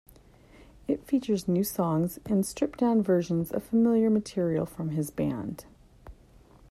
It featured new songs and stripped-down versions of familiar material from his band.